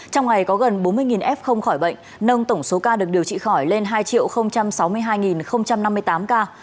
trong ngày có gần bốn mươi f không khỏi bệnh nâng tổng số ca được điều trị khỏi lên hai sáu mươi hai năm mươi tám ca